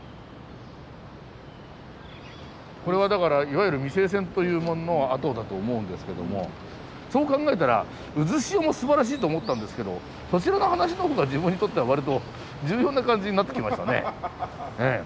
これはだからいわゆる未成線というものの跡だと思うんですけどもそう考えたら渦潮もすばらしいと思ったんですけどそちらの話のほうが自分にとってはわりと重要な感じになってきましたね。